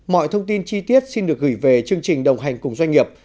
mọi thông tin chi tiết xin được gửi về chương trình đồng hành cùng doanh nghiệp